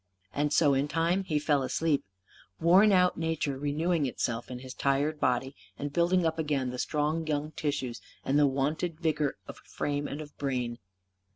And so in time he fell asleep; worn out nature renewing itself in his tired body and building up again the strong young tissues and the wonted vigour of frame and of brain.